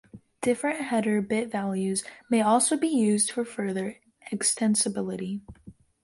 Different header bit values may also be used for further extensibility.